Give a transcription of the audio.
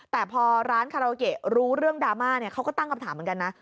แต่พอร้านคาราโอเกะรู้เรื่องดราม่าเขาก็ตั้งคำถามเหมือนกันนะ